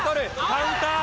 カウンター。